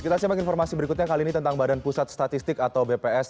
kita simak informasi berikutnya kali ini tentang badan pusat statistik atau bps